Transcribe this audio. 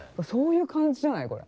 そういう感じじゃない？